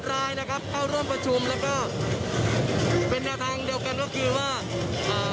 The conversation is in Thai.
รายนะครับเข้าร่วมประชุมแล้วก็เป็นแนวทางเดียวกันก็คือว่าอ่า